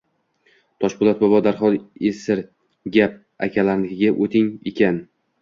Toshpo‘lat bobo, darhol Esirgap akalarnikiga o‘ting ekan